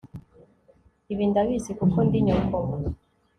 ibi ndabizi kuko ndi nyoko